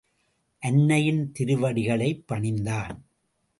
அன்னையின் திருவடிகளைப் பணிந்தான்.